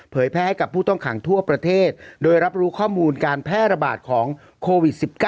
แพร่ให้กับผู้ต้องขังทั่วประเทศโดยรับรู้ข้อมูลการแพร่ระบาดของโควิด๑๙